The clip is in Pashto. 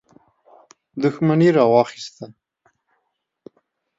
دښمني راواخیسته.